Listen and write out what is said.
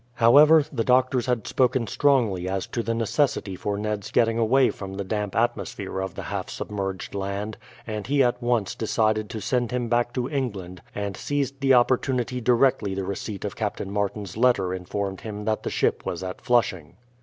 However, the doctors had spoken strongly as to the necessity for Ned's getting away from the damp atmosphere of the half submerged land, and he at once decided to send him back to England, and seized the opportunity directly the receipt of Captain Martin's letter informed him that the ship was at Flushing.